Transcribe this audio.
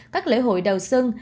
các lễ hội đầu sân